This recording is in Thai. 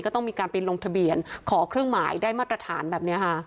ต้องมีการไปลงทะเบียนขอเครื่องหมายได้มาตรฐานแบบนี้ค่ะ